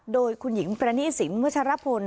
โดยคุณหญิงประณีสินวัชรพล